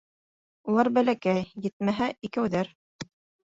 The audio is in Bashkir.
Улар бәләкәй, етмәһә, икәүҙәр.